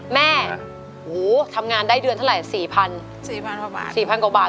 แม่ทำงานได้เดือนเท่าไหร่๔๐๐๐บาท